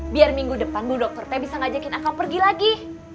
biar minggu depan bu dokter t bisa ngajakin aku pergi lagi